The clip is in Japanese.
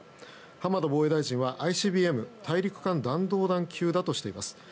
浜田防衛大臣はＩＣＢＭ・大陸間弾道級だとしています。